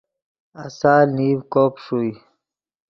آسال نیڤ کوب ݰوئے